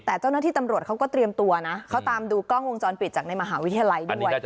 แต่เจ้าหน้าที่ตำรวจเขาก็เตรียมตัวนะเขาตามดูกล้องวงจรปิดจากในมหาวิทยาลัยด้วย